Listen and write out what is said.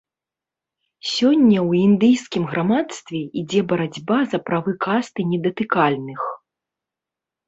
Сёння ў індыйскім грамадстве ідзе барацьба за правы касты недатыкальных.